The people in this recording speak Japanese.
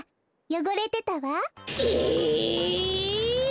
よごれてた？